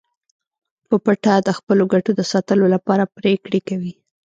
په پټه د خپلو ګټو د ساتلو لپاره پریکړې کوي